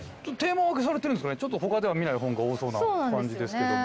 ちょっと他では見ない本が多そうな感じですけども。